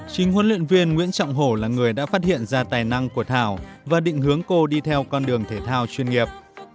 chính huấn luyện viên nguyễn trọng hổ là người đã phát hiện ra tài năng của thảo và định hướng cô đi theo con đường thể thao chuyên nghiệp